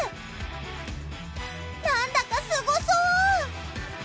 なんだかすごそう！